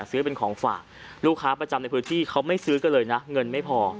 ซื้อเป็นของฝากลูกค้าประจำในพื้นที่เขาไม่ซื้อกันเลยนะเงินไม่พอ